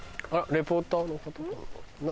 リポーターの方かな？